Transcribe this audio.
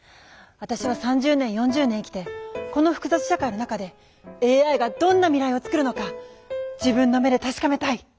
私は３０年４０年生きてこの複雑社会の中でＡＩがどんな未来をつくるのか自分の目で確かめたい。